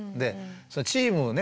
チームね